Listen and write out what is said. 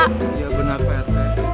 iya benar pak rt